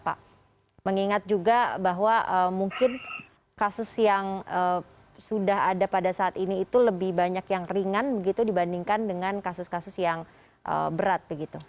pak mengingat juga bahwa mungkin kasus yang sudah ada pada saat ini itu lebih banyak yang ringan begitu dibandingkan dengan kasus kasus yang berat begitu